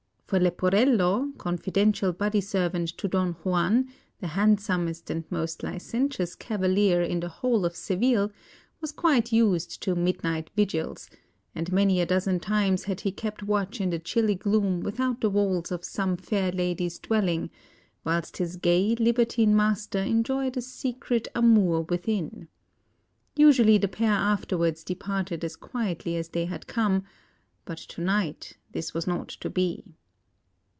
For Leporello, confidential body servant to Don Juan, the handsomest and most licentious cavalier in the whole of Seville, was quite used to midnight vigils, and many a dozen times had he kept watch in the chilly gloom without the walls of some fair lady's dwelling, whilst his gay, libertine master enjoyed a secret amour within. Usually, the pair afterwards departed as quietly as they had come; but to night this was not to be.